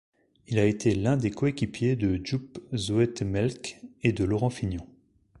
Il a été l'un des coéquipiers de Joop Zoetemelk et de Laurent Fignon.